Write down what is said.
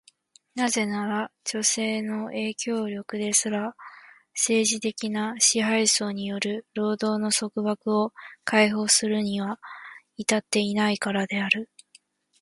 なぜなら、女性の影響力ですら、政治的な支配層による労働の束縛を解放するには至っていないからである。